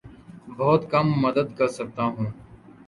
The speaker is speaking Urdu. بہت کم مدد کر سکتا ہوں